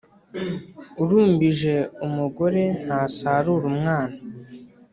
Urumbije umugore ntasarura umwana.